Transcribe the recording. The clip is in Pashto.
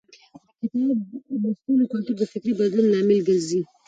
د کتاب لوستلو کلتور د فکري بدلون لامل ګرځي.